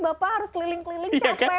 bapak harus keliling keliling capek